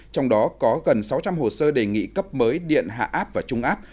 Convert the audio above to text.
trong đó có gần sáu trăm linh hồ sơ đề nghị cấp mới điện hạ áp và trung áp